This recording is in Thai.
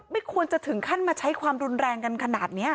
ไม่ควรจะถึงขั้นมาใช้ความรุนแรงกันขนาดนี้